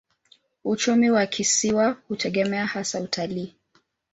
Uchumi wa kisiwa hutegemea hasa utalii.